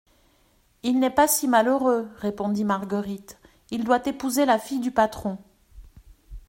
Il n'est pas si malheureux, répondit Marguerite, il doit épouser la fille du patron.